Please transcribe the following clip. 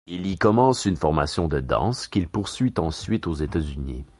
Il y commence une formation de danse, qu'il poursuit ensuite aux États-Unis.